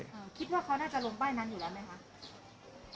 คิดว่าเขาน่าจะลงใบ้นั้นอยู่แล้วไหมคะ